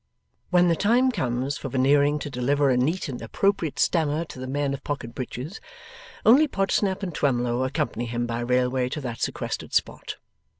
When the time comes for Veneering to deliver a neat and appropriate stammer to the men of Pocket Breaches, only Podsnap and Twemlow accompany him by railway to that sequestered spot.